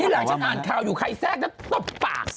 ที่หลายจะอ่านข่าวอยู่ใครแทรกจะตบปาก